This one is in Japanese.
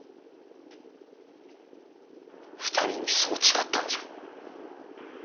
２人にそう誓ったんじゃ。